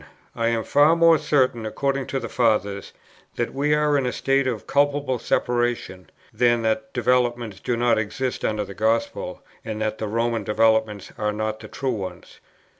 I am far more certain (according to the Fathers) that we are in a state of culpable separation, than that developments do not exist under the Gospel, and that the Roman developments are not the true ones.